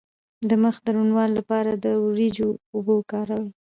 د مخ د روڼوالي لپاره د وریجو اوبه وکاروئ